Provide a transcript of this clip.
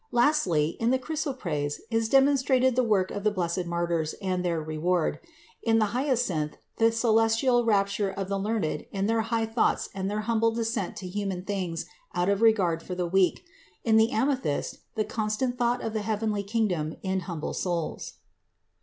Lastly, in the chrysoprase is demonstrated the work of the blessed martyrs and their reward; in the hyacinth, the celestial rapture of the learned in their high thoughts and their humble descent to human things out of regard for the weak; in the amethyst, the constant thought of the heavenly kingdom in humble souls.